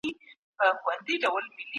د آدم عليه السلام کيسه د علم اهميت بيانوي.